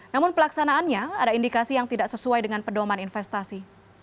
namun pelaksanaannya ada indikasi yang tidak sesuai dengan pedoman investasi